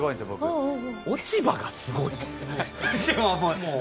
「落ち葉がすごい」。